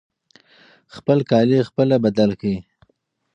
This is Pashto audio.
خپل کالي خپله بدل کړئ.